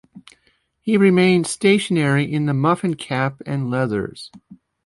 He remained stationary in the muffin-cap and leathers.